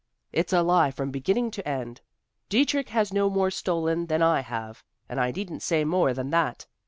It's a lie from beginning to end. Dietrich has no more stolen than I have, and I needn't say more than that.